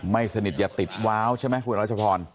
ไม่สนิทอย่าติดว้าวใช่ไหมคุณรัชพร